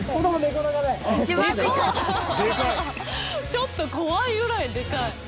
ちょっと怖いぐらいでかい。